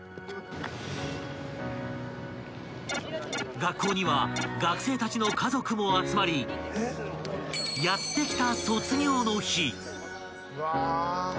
［学校には学生たちの家族も集まりやって来た］